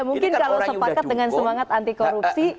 mungkin kalau sepakat dengan semangat anti korupsi